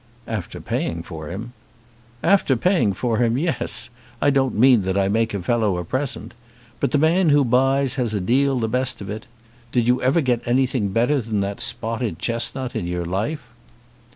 "After paying for him." "After paying for him! Yes; I don't mean that I make a fellow a present. But the man who buys has a deal the best of it. Did you ever get anything better than that spotted chestnut in your life?"